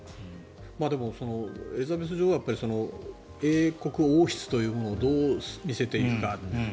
でも、エリザベス女王は英国王室というものをどう見せていくか。